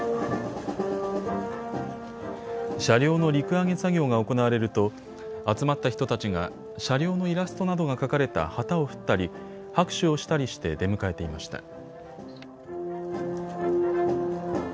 車両の陸揚げ作業が行われると集まった人たちが車両のイラストなどが描かれた旗を振ったり拍手をしたりして出迎えていました。